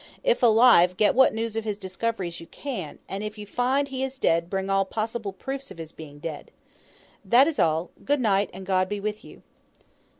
If alive, get what news of his discoveries you can; and if you find he is dead, bring all possible proofs of his being dead. That is all. Good night, and God be with you."